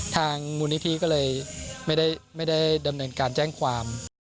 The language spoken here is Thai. ทางมูลนิธิก็เลยไม่ได้ดำเนินการแจ้งความ